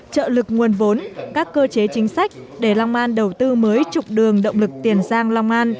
trợ lực nguồn vốn các cơ chế chính sách để long an đầu tư mới trục đường động lực tiền giang long an